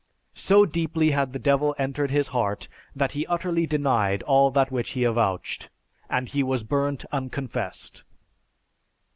So deeply had the devil entered his heart, that he utterly denied all that which he avouched," and he was burnt unconfessed.